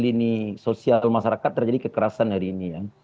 di mana mana kekerasan sosial masyarakat terjadi kekerasan hari ini ya